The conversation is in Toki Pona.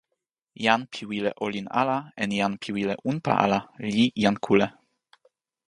jan pi wile olin ala en jan pi wile unpa ala li jan kule.